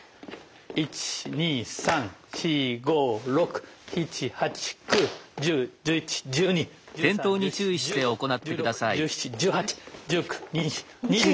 １２３４５６７８９１０１１１２１３１４１５１６１７１８１９２０２１。